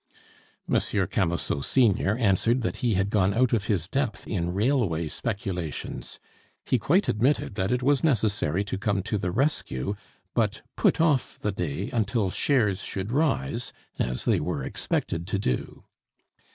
M. Camusot senior answered that he had gone out of his depth in railway speculations. He quite admitted that it was necessary to come to the rescue, but put off the day until shares should rise, as they were expected to do.